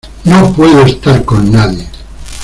no puedo estar con nadie.